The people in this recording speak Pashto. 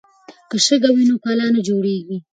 که شګه وي نو کلا نه جوړیږي.